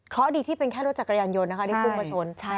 เค้าดีที่เป็นแค่รถจักรยานยนต์นะคะ